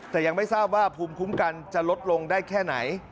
แต่ยังไม่ทราบว่าภูมิคุ้มกันจะลดลงได้แค่ไหน